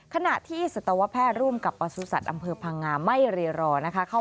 ขณะที่สัตวแพทย์ร่วมกับประสุทธิ์อำเภอพังงาไม่รีรอนะคะ